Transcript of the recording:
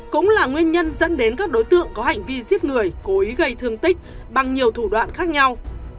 cũng là nguyên nhân dẫn đến các đối tượng có hành vi giết người cố ý gây thương tích bằng nhiều thủ đoạn khác nhau